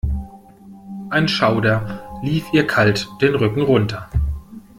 Ein Schauder lief ihr kalt den Rücken runter.